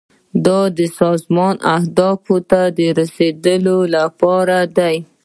دا د سازمان اهدافو ته د رسیدو لپاره دی.